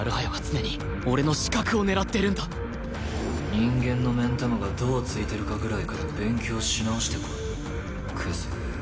人間の目ん玉がどうついてるかぐらいから勉強し直してこいクズ。